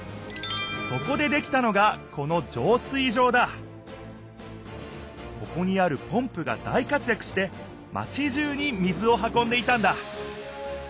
そこでできたのがこのここにあるポンプが大活やくしてマチじゅうに水を運んでいたんだ。